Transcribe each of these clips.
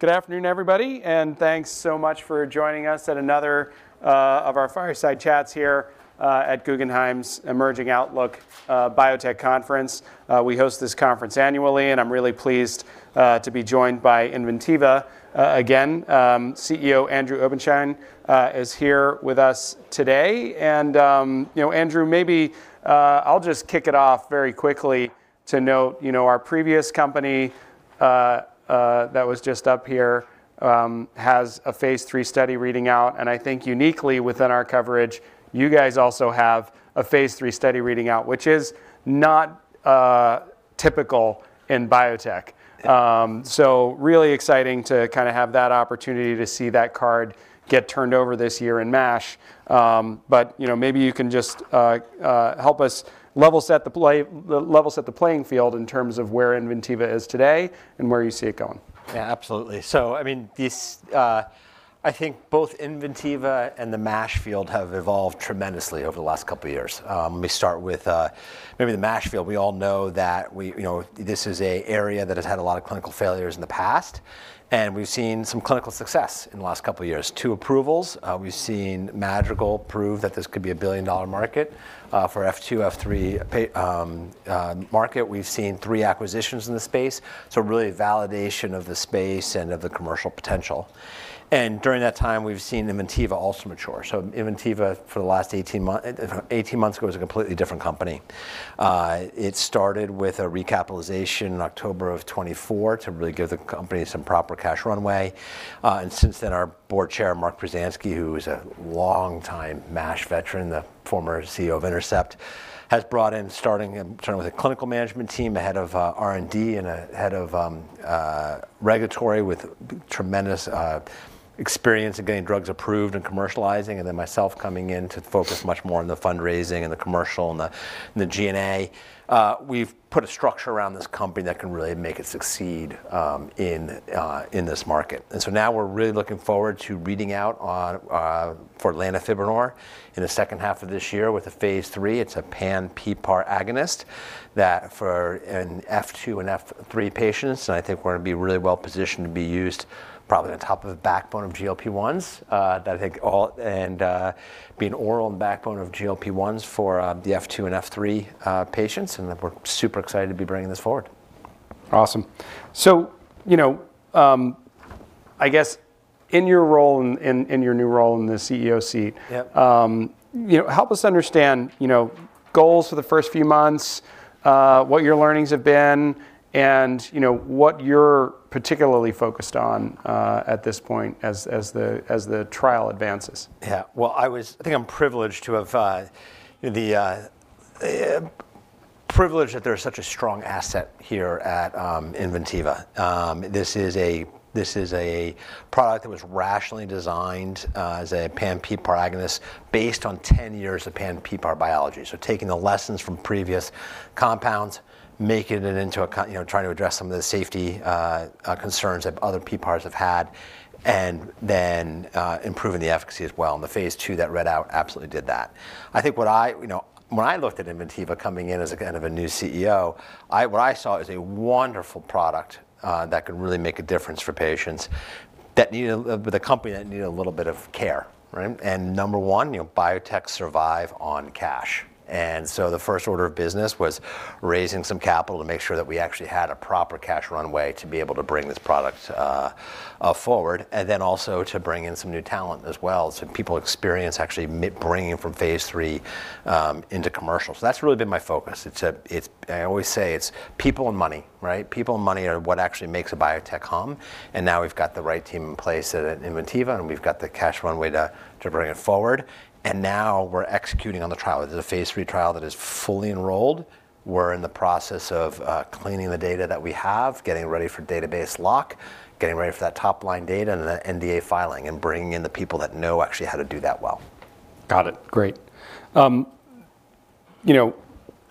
Good afternoon, everybody. Thanks so much for joining us at another of our fireside chats here at Guggenheim's Emerging Outlook Biotech Conference. We host this conference annually, and I'm really pleased to be joined by Inventiva again. CEO Andrew Obenshain is here with us today. You know, Andrew, maybe I'll just kick it off very quickly to note, you know, our previous company that was just up here has phase III study reading out. I think uniquely within our coverage, you guys also have phase III study reading out, which is not typical in biotech. So really exciting to kind of have that opportunity to see that card get turned over this year in MASH. But, you know, maybe you can just help us level set the playing field in terms of where Inventiva is today and where you see it going. Yeah, absolutely. So, I mean, I think both Inventiva and the MASH field have evolved tremendously over the last couple of years. Let me start with maybe the MASH field. We all know that we, you know, this is an area that has had a lot of clinical failures in the past, and we've seen some clinical success in the last couple of years. Two approvals. We've seen Madrigal prove that this could be a billion-dollar market for F2, F3 market. We've seen three acquisitions in the space. So, really validation of the space and of the commercial potential. And during that time, we've seen Inventiva also mature. So Inventiva, for the last 18 months, 18 months ago, was a completely different company. It started with a recapitalization in October of 2024 to really give the company some proper cash runway. And since then, our board chair, Mark Pruzanski, who is a longtime MASH veteran, the former CEO of Intercept, has brought in starting with a clinical management team, a head of R&D, and a head of regulatory with tremendous experience in getting drugs approved and commercializing, and then myself coming in to focus much more on the fundraising and the commercial and the G&A. We've put a structure around this company that can really make it succeed in this market. And so now we're really looking forward to reading out for lanifibranor in the second half of this year with phase III. it's a pan-PPAR agonist for F2 and F3 patients. And I think we're going to be really well positioned to be used probably on top of the backbone of GLP-1s that I think all and being oral and backbone of GLP-1s for the F2 and F3 patients. We're super excited to be bringing this forward. Awesome. So, you know, I guess in your role in your new role in the CEO seat, you know, help us understand, you know, goals for the first few months, what your learnings have been, and, you know, what you're particularly focused on at this point as the trial advances. Yeah. Well, I think I'm privileged to have the privilege that there's such a strong asset here at Inventiva. This is a product that was rationally designed as a pan-PPAR agonist based on 10 years of pan-PPAR biology. So taking the lessons from previous compounds, making it into a, you know, trying to address some of the safety concerns that other PPARs have had, and then improving the efficacy as well. And the phase II that readout absolutely did that. I think what I, you know, when I looked at Inventiva coming in as a kind of a new CEO, what I saw is a wonderful product that could really make a difference for patients that needed the company that needed a little bit of care. Right? And number one, you know, biotechs survive on cash. And so the first order of business was raising some capital to make sure that we actually had a proper cash runway to be able to bring this product forward and then also to bring in some new talent as well. So people experience actually bringing phase III into commercial. So that's really been my focus. It's a, I always say it's people and money. Right? People and money are what actually makes a biotech hum. And now we've got the right team in place at Inventiva, and we've got the cash runway to bring it forward. And now we're executing on the trial. It is phase III trial that is fully enrolled. We're in the process of cleaning the data that we have, getting ready for database lock, getting ready for that top-line data and the NDA filing, and bringing in the people that know actually how to do that well. Got it. Great. You know,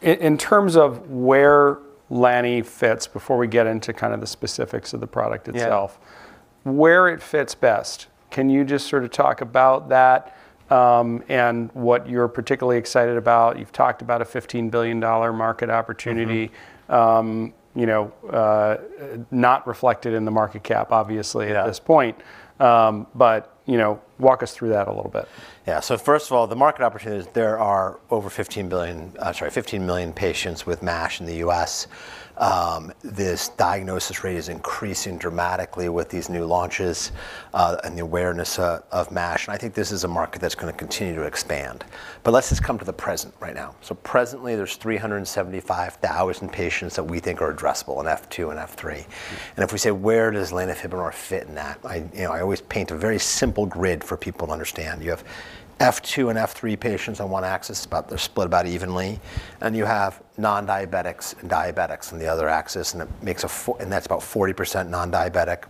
in terms of where lani fits, before we get into kind of the specifics of the product itself, where it fits best, can you just sort of talk about that and what you're particularly excited about? You've talked about a $15 billion market opportunity, you know, not reflected in the market cap, obviously, at this point. But, you know, walk us through that a little bit. Yeah. So first of all, the market opportunities, there are over 15 billion—sorry, 15 million patients with MASH in the U.S. This diagnosis rate is increasing dramatically with these new launches and the awareness of MASH. And I think this is a market that's going to continue to expand. But let's just come to the present right now. So presently, there's 375,000 patients that we think are addressable in F2 and F3. And if we say, where does lanifibranor fit in that? I, you know, I always paint a very simple grid for people to understand. You have F2 and F3 patients on one axis. They're split about evenly. And you have non-diabetics and diabetics on the other axis. And it makes a, and that's about 40% non-diabetic,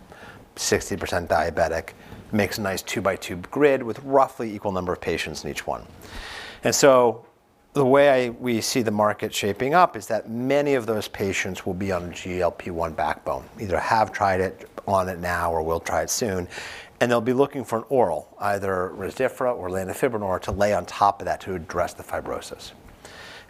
60% diabetic. It makes a nice two-by-two grid with roughly equal number of patients in each one. The way we see the market shaping up is that many of those patients will be on a GLP-1 backbone, either have tried it on it now or will try it soon, and they'll be looking for an oral, either Rezdiffra or lanifibranor, to lay on top of that to address the fibrosis.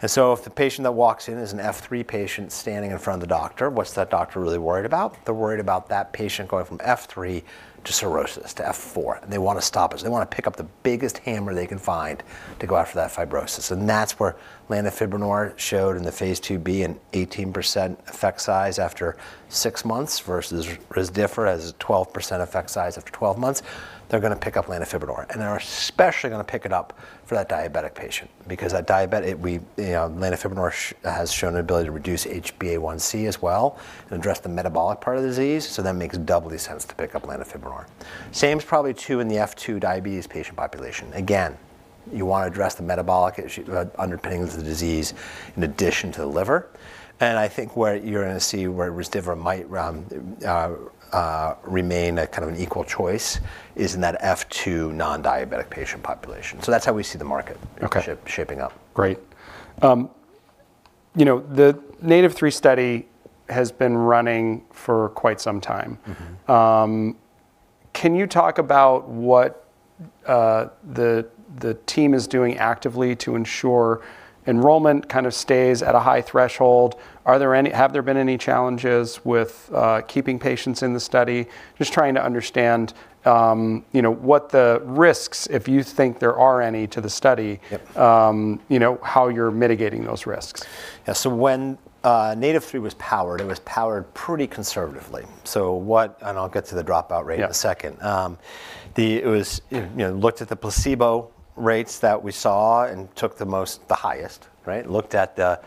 If the patient that walks in is an F3 patient standing in front of the doctor, what's that doctor really worried about? They're worried about that patient going from F3 to cirrhosis to F4. They want to stop us. They want to pick up the biggest hammer they can find to go after that fibrosis. That's where lanifibranor showed in phase II-B an 18% effect size after 6 months versus Rezdiffra has a 12% effect size after 12 months. They're going to pick up lanifibranor. They're especially going to pick it up for that diabetic patient because that diabetic we, you know, lanifibranor has shown an ability to reduce HbA1c as well and address the metabolic part of the disease. So that makes doubly sense to pick up lanifibranor. Same is probably true in the F2 diabetes patient population. Again, you want to address the metabolic underpinnings of the disease in addition to the liver. And I think where you're going to see where Rezdiffra might remain a kind of an equal choice is in that F2 non-diabetic patient population. So that's how we see the market shaping up. Great. You know, the NATiV3 study has been running for quite some time. Can you talk about what the team is doing actively to ensure enrollment kind of stays at a high threshold? Have there been any challenges with keeping patients in the study? Just trying to understand, you know, what the risks, if you think there are any, to the study, you know, how you're mitigating those risks? Yeah. So when NATiV3 was powered, it was powered pretty conservatively. So what and I'll get to the dropout rate in a second. It was, you know, looked at the placebo rates that we saw and took the most the highest. Right? Looked at the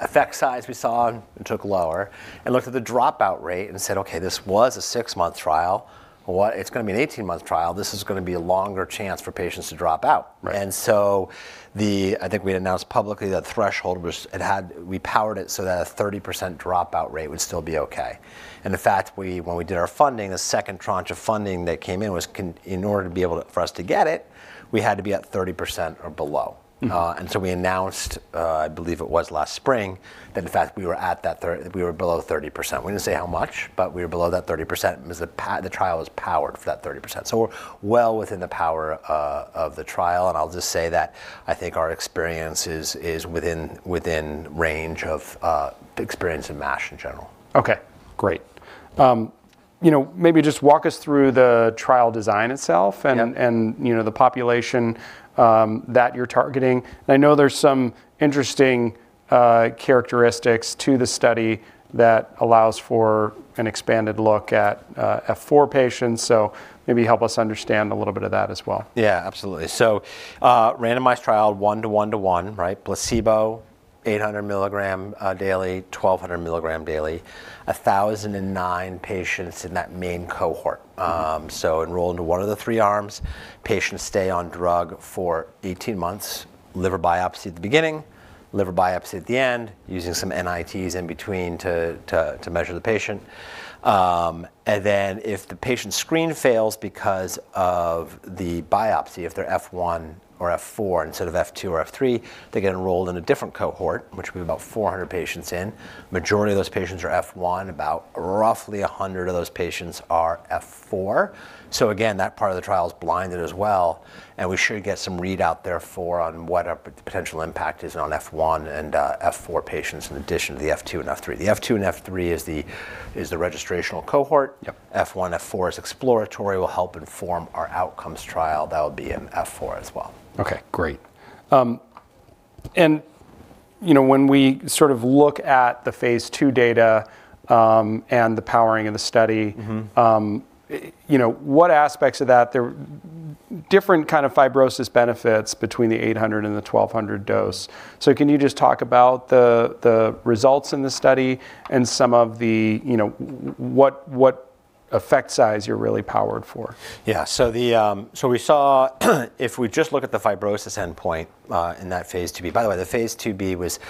effect size we saw and took lower and looked at the dropout rate and said, OK, this was a six-month trial. What it's going to be an 18-month trial. This is going to be a longer chance for patients to drop out. And so the I think we announced publicly that threshold was it had we powered it so that a 30% dropout rate would still be OK. And in fact, when we did our funding, the second tranche of funding that came in was in order to be able to for us to get it, we had to be at 30% or below. We announced, I believe it was last spring, that in fact, we were below 30%. We didn't say how much, but we were below that 30%. The trial was powered for that 30%. So we're well within the power of the trial. And I'll just say that I think our experience is within range of experience in MASH in general. OK, great. You know, maybe just walk us through the trial design itself and, you know, the population that you're targeting. I know there's some interesting characteristics to the study that allows for an expanded look at F4 patients. Maybe help us understand a little bit of that as well. Yeah, absolutely. So randomized trial 1:1:1. Right? Placebo 800 mg daily, 1,200 mg daily, 1,009 patients in that main cohort. So enrolled into one of the three arms. Patients stay on drug for 18 months, liver biopsy at the beginning, liver biopsy at the end, using some NITs in between to measure the patient. And then if the patient screen fails because of the biopsy, if they're F1 or F4 instead of F2 or F3, they get enrolled in a different cohort, which we have about 400 patients in. Majority of those patients are F1. About roughly 100 of those patients are F4. So again, that part of the trial is blinded as well. And we should get some readout there for on what a potential impact is on F1 and F4 patients in addition to the F2 and F3. The F2 and F3 is the registrational cohort. F1, F4 is exploratory, will help inform our outcomes trial. That would be in F4 as well. OK, great. And, you know, when we sort of look at the phase II data and the powering of the study, you know, what aspects of that there are different kind of fibrosis benefits between the 800 and the 1,200 dose. So can you just talk about the results in the study and some of the, you know, what effect size you're really powered for? Yeah. So we saw if we just look at the fibrosis endpoint in phase II-B. By the way, phase II-B was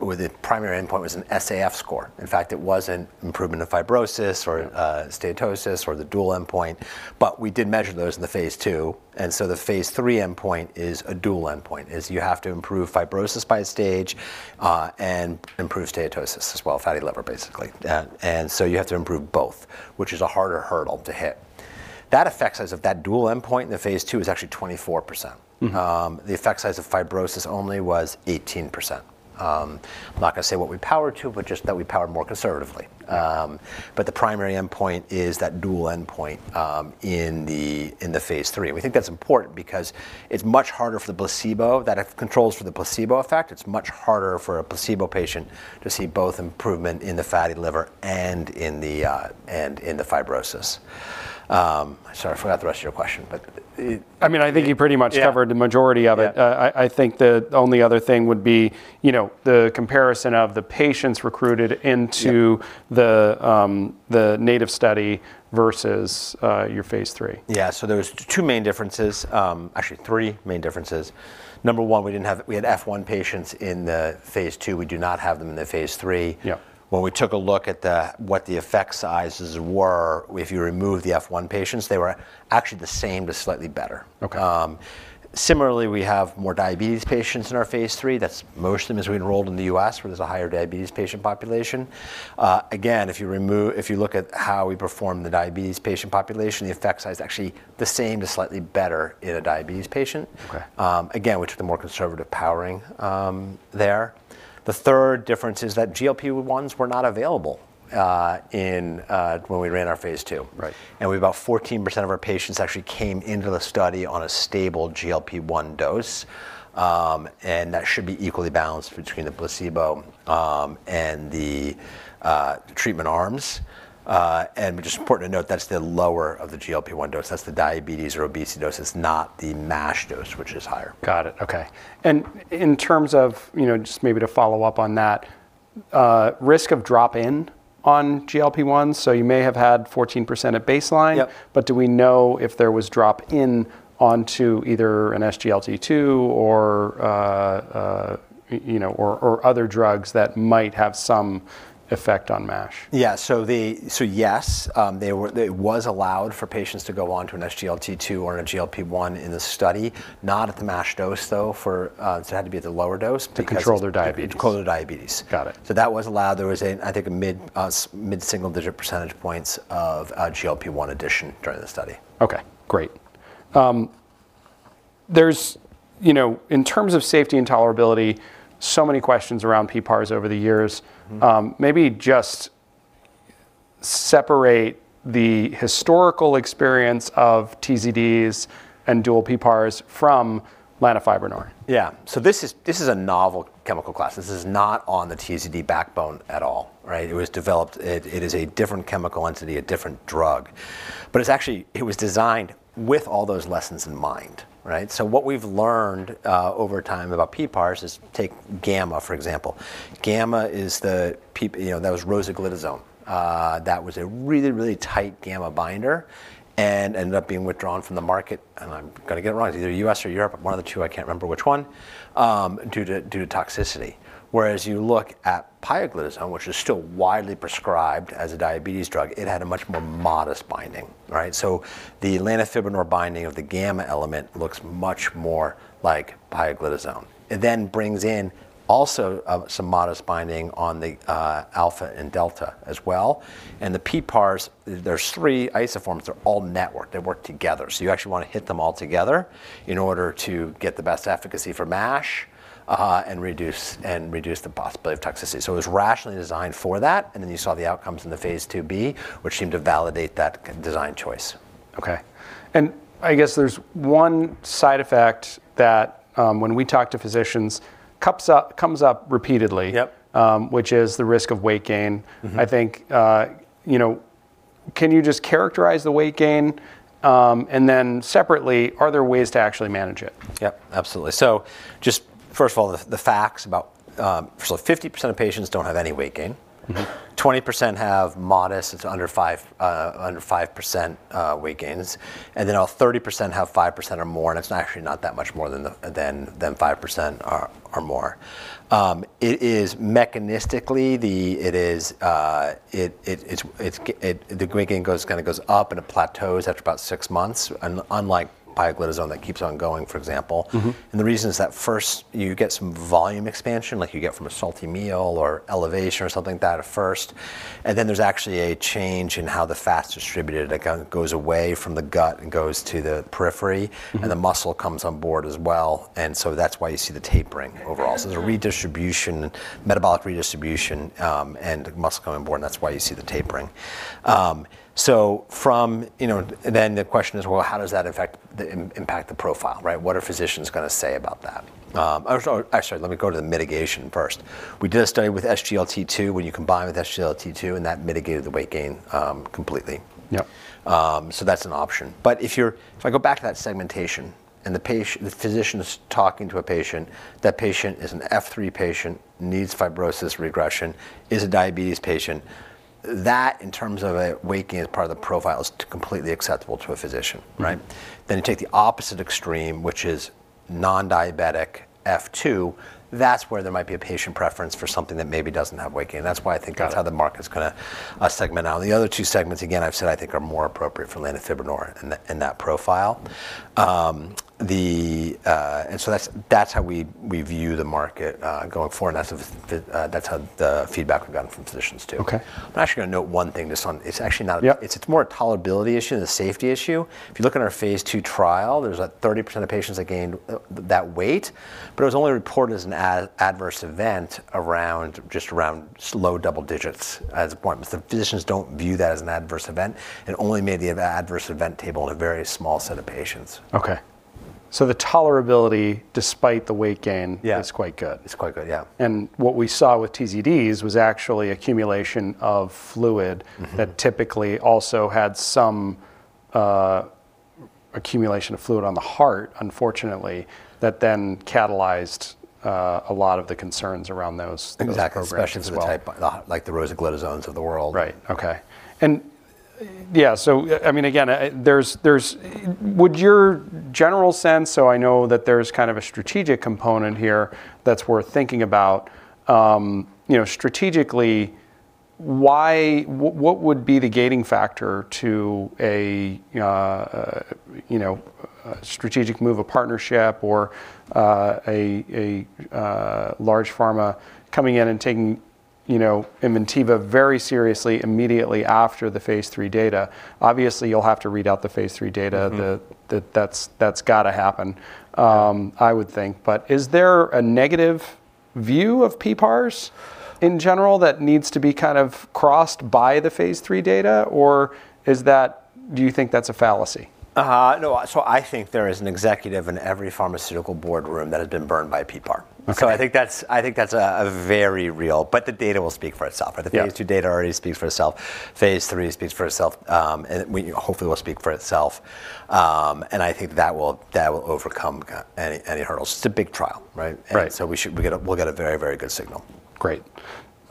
the primary endpoint was an SAF score. In fact, it wasn't improvement of fibrosis or steatosis or the dual endpoint. But we did measure those in the phase II. And so phase III endpoint is a dual endpoint, is you have to improve fibrosis by a stage and improve steatosis as well, fatty liver, basically. And so you have to improve both, which is a harder hurdle to hit. That effect size of that dual endpoint in the phase II is actually 24%. The effect size of fibrosis only was 18%. I'm not going to say what we powered to, but just that we powered more conservatively. But the primary endpoint is that dual endpoint in the phase III. We think that's important because it's much harder for the placebo that controls for the placebo effect. It's much harder for a placebo patient to see both improvement in the fatty liver and in the fibrosis. Sorry, I forgot the rest of your question. But. I mean, I think you pretty much covered the majority of it. I think the only other thing would be, you know, the comparison of the patients recruited into the NATiV3 study versus your phase III. Yeah. So there was two main differences actually, three main differences. Number one, we had F1 patients in the phase II. We do not have them in phase III. when we took a look at what the effect sizes were, if you removed the F1 patients, they were actually the same to slightly better. Similarly, we have more diabetes patients in phase III. that's mostly because we enrolled in the U.S., where there's a higher diabetes patient population. Again, if you look at how we performed the diabetes patient population, the effect size is actually the same to slightly better in a diabetes patient, again, which took the more conservative powering there. The third difference is that GLP-1s were not available when we ran our phase II. And we about 14% of our patients actually came into the study on a stable GLP-1 dose. And that should be equally balanced between the placebo and the treatment arms. And just important to note, that's the lower of the GLP-1 dose. That's the diabetes or obesity dose. It's not the MASH dose, which is higher. Got it. OK. And in terms of, you know, just maybe to follow up on that, risk of drop-in on GLP-1s. So you may have had 14% at baseline. But do we know if there was drop-in onto either an SGLT2 or, you know, or other drugs that might have some effect on MASH? Yeah. So yes, it was allowed for patients to go onto an SGLT2 or a GLP-1 in the study, not at the MASH dose, though. So it had to be at the lower dose. To control their diabetes. To control their diabetes. Got it. So that was allowed. There was, I think, a mid-single digit percentage points of GLP-1 addition during the study. OK, great. There's, you know, in terms of safety and tolerability, so many questions around PPARs over the years. Maybe just separate the historical experience of TZDs and dual PPARs from lanifibranor. Yeah. So this is a novel chemical class. This is not on the TZD backbone at all. Right? It was developed; it is a different chemical entity, a different drug. But it's actually; it was designed with all those lessons in mind. Right? So what we've learned over time about PPARs is take gamma, for example. Gamma is the, you know, that was rosiglitazone. That was a really, really tight gamma binder and ended up being withdrawn from the market. And I'm going to get it wrong. It's either U.S. or Europe. One of the two. I can't remember which one due to toxicity. Whereas you look at pioglitazone, which is still widely prescribed as a diabetes drug, it had a much more modest binding. Right? So the lanifibranor binding of the gamma element looks much more like pioglitazone. It then brings in also some modest binding on the alpha and delta as well. And the PPARs, there's three isoforms. They're all networked. They work together. So you actually want to hit them all together in order to get the best efficacy for MASH and reduce the possibility of toxicity. So it was rationally designed for that. And then you saw the outcomes in phase II-B, which seemed to validate that design choice. OK. And I guess there's one side effect that, when we talk to physicians, comes up repeatedly, which is the risk of weight gain. I think, you know, can you just characterize the weight gain? And then separately, are there ways to actually manage it? Yep, absolutely. So just first of all, the facts about, so 50% of patients don't have any weight gain. 20% have modest; it's under 5% weight gains. And then all 30% have 5% or more. And it's actually not that much more than 5% or more. It is mechanistically the; it is the weight gain goes kind of goes up and it plateaus after about six months, unlike pioglitazone that keeps on going, for example. And the reason is that first, you get some volume expansion, like you get from a salty meal or elevation or something like that at first. And then there's actually a change in how the fat's distributed. It goes away from the gut and goes to the periphery. And the muscle comes on board as well. And so that's why you see the tapering overall. So there's a redistribution metabolic redistribution and muscle coming on board. And that's why you see the tapering. So from, you know, then the question is, well, how does that, in fact, impact the profile? Right? What are physicians going to say about that? Oh, sorry. Let me go to the mitigation first. We did a study with SGLT2 when you combine with SGLT2. And that mitigated the weight gain completely. So that's an option. But if I go back to that segmentation and the physician's talking to a patient, that patient is an F3 patient, needs fibrosis regression, is a diabetes patient, that, in terms of a weight gain, as part of the profile, is completely acceptable to a physician. Right? Then you take the opposite extreme, which is non-diabetic F2, that's where there might be a patient preference for something that maybe doesn't have weight gain. That's why I think that's how the market's going to segment out. The other two segments, again, I've said, I think are more appropriate for lanifibranor in that profile. And so that's how we view the market going forward. And that's how the feedback we've gotten from physicians, too. I'm actually going to note one thing just on it. It's actually not; it's more a tolerability issue than a safety issue. If you look at our phase II trial, there's about 30% of patients that gained that weight. But it was only reported as an adverse event around low double digits as a percentage. The physicians don't view that as an adverse event. It only made the adverse event table in a very small set of patients. OK. So the tolerability, despite the weight gain, is quite good. Yeah, it's quite good. Yeah. What we saw with TZDs was actually accumulation of fluid that typically also had some accumulation of fluid on the heart, unfortunately, that then catalyzed a lot of the concerns around those programs. Exactly, especially with the type like the rosiglitazones of the world. Right. OK. And yeah, so I mean, again, what's your general sense so I know that there's kind of a strategic component here that's worth thinking about. You know, strategically, why, what would be the gating factor to a, you know, strategic move of partnership or a large pharma coming in and taking Inventiva very seriously immediately after phase III data? Obviously, you'll have to readout phase III data. That's got to happen, I would think. But is there a negative view of PPARs in general that needs to be kind of crossed by phase III data? Or is that, do you think that's a fallacy? No. So I think there is an executive in every pharmaceutical boardroom that has been burned by PPAR. So I think that's a very real, but the data will speak for itself. Right? The phase II data already speaks itself. phase III speaks for itself. And it hopefully will speak for itself. And I think that will overcome any hurdles. It's a big trial. Right? And so we'll get a very, very good signal. Great.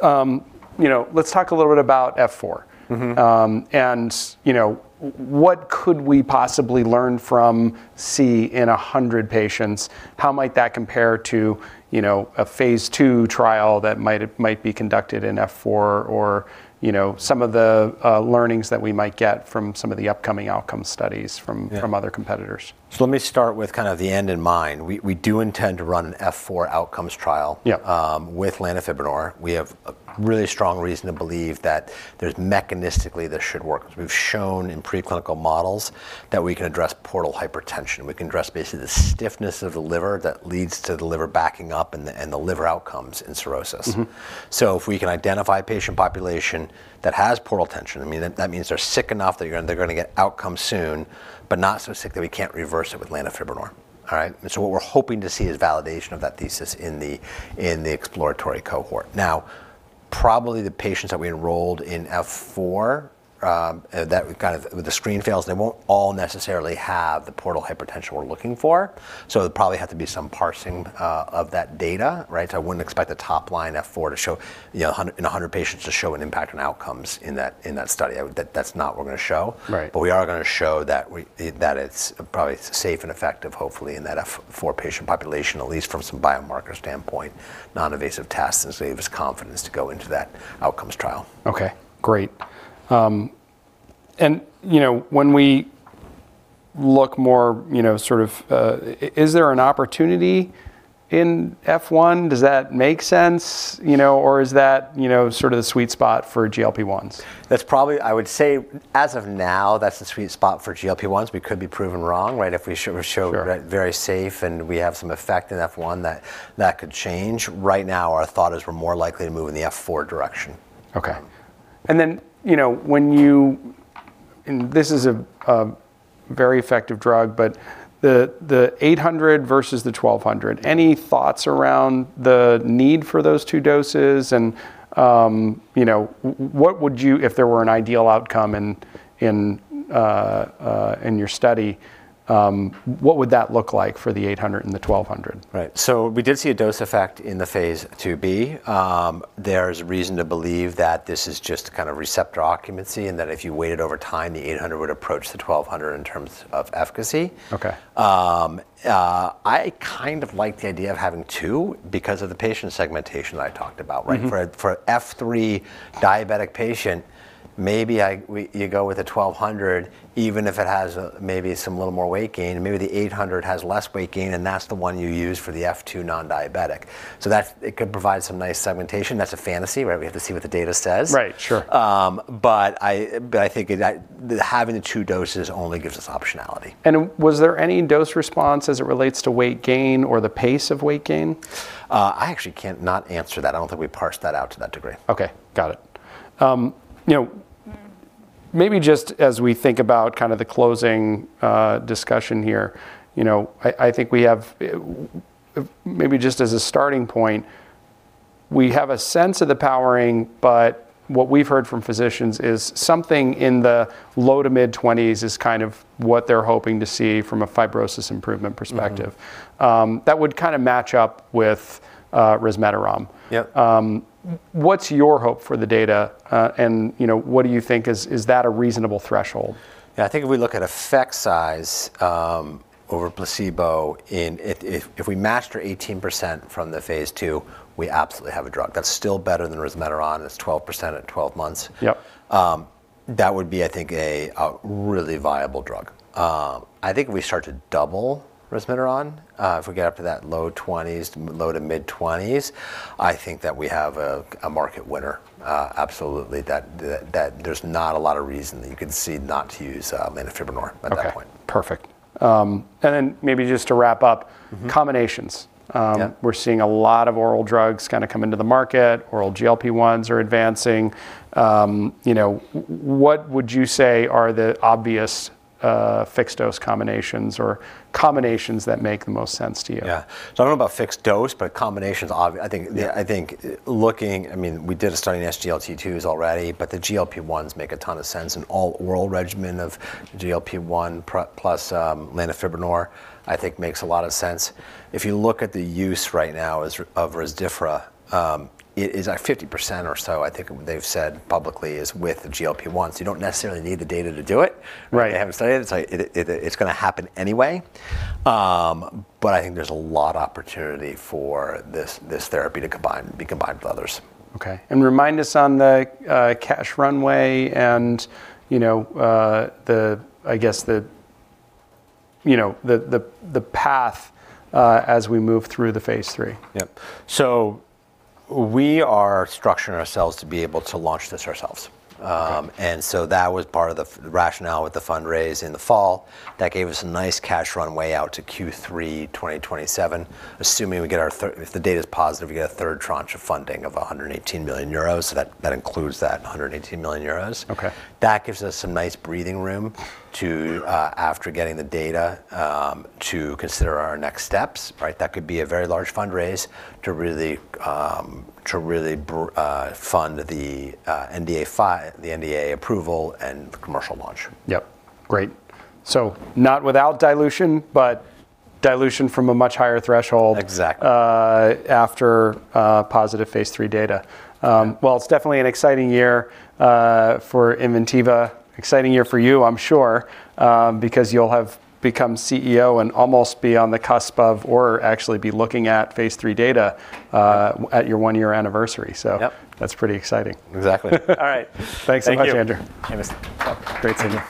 You know, let's talk a little bit about F4. And, you know, what could we possibly learn from C in 100 patients? How might that compare to, you know, a phase II trial that might be conducted in F4 or, you know, some of the learnings that we might get from some of the upcoming outcomes studies from other competitors? So let me start with kind of the end in mind. We do intend to run an F4 outcomes trial with lanifibranor. We have a really strong reason to believe that there's mechanistically this should work. We've shown in preclinical models that we can address portal hypertension. We can address basically the stiffness of the liver that leads to the liver backing up and the liver outcomes in cirrhosis. So if we can identify a patient population that has portal hypertension, I mean, that means they're sick enough that they're going to get outcomes soon, but not so sick that we can't reverse it with lanifibranor. All right? And so what we're hoping to see is validation of that thesis in the exploratory cohort. Now, probably the patients that we enrolled in F4 that we've kind of with the screen fails, they won't all necessarily have the portal hypertension we're looking for. So there'll probably have to be some parsing of that data. Right? So I wouldn't expect the top line F4 to show, you know, in 100 patients to show an impact on outcomes in that study. That's not what we're going to show. But we are going to show that it's probably safe and effective, hopefully, in that F4 patient population, at least from some biomarker standpoint, noninvasive tests and to give us confidence to go into that outcomes trial. OK, great. And, you know, when we look more, you know, sort of is there an opportunity in F1? Does that make sense? You know, or is that, you know, sort of the sweet spot for GLP-1s? That's probably I would say, as of now, that's the sweet spot for GLP-1s. We could be proven wrong. Right? If we show very safe and we have some effect in F1, that could change. Right now, our thought is we're more likely to move in the F4 direction. OK. And then, you know, when you and this is a very effective drug. But the 800 versus the 1200, any thoughts around the need for those two doses? And, you know, what would you if there were an ideal outcome in your study, what would that look like for the 800 and the 1200? Right. So we did see a dose effect in phase II-B. there's reason to believe that this is just kind of receptor occupancy and that if you waited over time, the 800 would approach the 1200 in terms of efficacy. I kind of like the idea of having two because of the patient segmentation that I talked about. Right? For an F3 diabetic patient, maybe you go with a 1200, even if it has maybe some little more weight gain. Maybe the 800 has less weight gain. And that's the one you use for the F2 non-diabetic. So that's it could provide some nice segmentation. That's a fantasy. Right? We have to see what the data says. Right, sure. But I think having the two doses only gives us optionality. Was there any dose response as it relates to weight gain or the pace of weight gain? I actually can't not answer that. I don't think we parsed that out to that degree. OK, got it. You know, maybe just as we think about kind of the closing discussion here, you know, I think we have maybe just as a starting point, we have a sense of the powering. But what we've heard from physicians is something in the low to mid 20s is kind of what they're hoping to see from a fibrosis improvement perspective. That would kind of match up with resmetirom. What's your hope for the data? And, you know, what do you think is that a reasonable threshold? Yeah, I think if we look at effect size over placebo in MASH if we hit 18% from the phase II, we absolutely have a drug. That's still better than resmetirom. And it's 12% at 12 months. That would be, I think, a really viable drug. I think if we start to double resmetirom if we get up to that low 20s, low to mid 20s, I think that we have a market winner. Absolutely. That there's not a lot of reason that you could see not to use lanifibranor at that point. OK, perfect. And then maybe just to wrap up, combinations. We're seeing a lot of oral drugs kind of come into the market. Oral GLP-1s are advancing. You know, what would you say are the obvious fixed dose combinations or combinations that make the most sense to you? Yeah. So I don't know about fixed dose. But combinations, obviously I think looking I mean, we did a study in SGLT2s already. But the GLP-1s make a ton of sense. And all oral regimen of GLP-1 plus lanifibranor, I think, makes a lot of sense. If you look at the use right now of Rezdiffra, it is 50% or so, I think they've said publicly, is with the GLP-1s. You don't necessarily need the data to do it. They haven't studied it. It's going to happen anyway. But I think there's a lot of opportunity for this therapy to be combined with others. OK. And remind us on the cash runway and, you know, the—I guess the, you know, the path as we move through the phase III. Yep. We are structuring ourselves to be able to launch this ourselves. That was part of the rationale with the fundraise in the fall. That gave us a nice cash runway out to Q3 2027, assuming we get our if the data is positive, we get a third tranche of funding of 118 million euros. That includes that 118 million euros. That gives us some nice breathing room to, after getting the data, to consider our next steps. Right? That could be a very large fundraise to really fund the NDA approval and commercial launch. Yep, great. So not without dilution, but dilution from a much higher threshold after phase III data. Well, it's definitely an exciting year for Inventiva. Exciting year for you, I'm sure, because you'll have become CEO and almost be on the cusp of or actually be looking phase III data at your one-year anniversary. So that's pretty exciting. Exactly. All right. Thanks so much, Andrew. Thank you. Great seeing you.